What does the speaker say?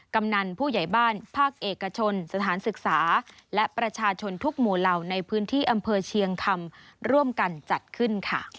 กำนันผู้ใหญ่บ้านภาคเอกชนสถานศึกษาและประชาชนทุกหมู่เหล่าในพื้นที่อำเภอเชียงคำร่วมกันจัดขึ้นค่ะ